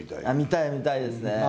見たい見たいですね。